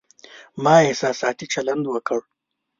ما احساساتي چلند وکړ